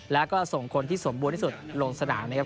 แล้วก็ส่งคนที่สมบูรณ์ที่สุดลงสนามนะครับ